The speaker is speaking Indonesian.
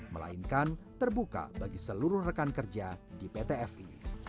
melainkan terbuka bagi seluruh rekan kerja di pt fi